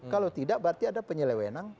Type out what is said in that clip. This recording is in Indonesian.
kalau tidak berarti ada penyelewenang